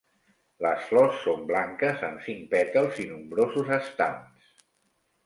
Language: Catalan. Les flors són blanques amb cinc pètals i nombrosos estams.